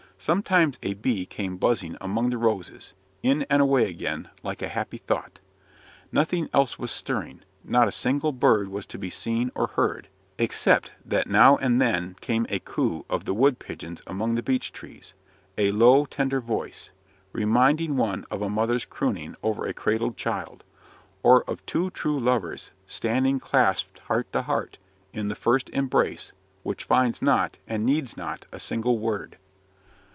Sometimes a bee came buzzing among the roses, in and away again, like a happy thought. Nothing else was stirring; not a single bird was to be seen or heard, except that now and then came a coo of the wood pigeons among the beech trees a low, tender voice reminding one of a mother's crooning over a cradled child; or of two true lovers standing clasped heart to heart, in the first embrace, which finds not, and needs not, a single word.